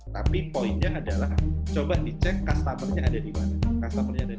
tapi poinnya adalah coba dicek customer nya ada di mana